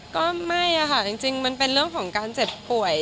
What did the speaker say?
ก็ไม่ค่ะจริงมันเป็นเรื่องของการเจ็บป่วย